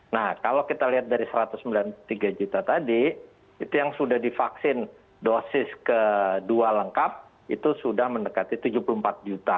nah kalau kita lihat dari satu ratus sembilan puluh tiga juta tadi itu yang sudah divaksin dosis kedua lengkap itu sudah mendekati tujuh puluh empat juta